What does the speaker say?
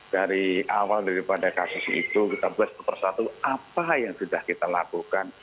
dari awal daripada kasus itu kita buat satu persatu apa yang sudah kita lakukan